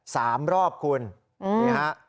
สามรอบคุณอืม